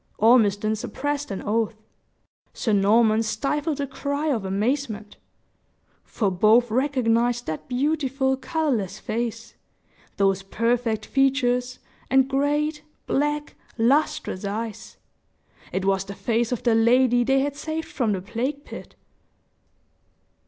Ormiston suppressed an oath. Sir Norman stifled a cry of amazement for both recognized that beautiful colorless face, those perfect features, and great, black, lustrous eyes. It was the face of the lady they had saved from the plague pit!